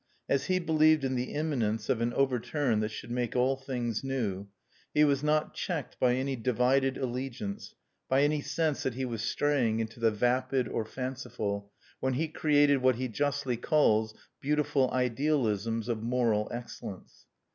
As he believed in the imminence of an overturn that should make all things new, he was not checked by any divided allegiance, by any sense that he was straying into the vapid or fanciful, when he created what he justly calls "Beautiful idealisms of moral excellence."